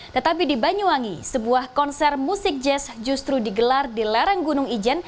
tetapi di banyuwangi sebuah konser musik jazz justru digelar di lereng gunung ijen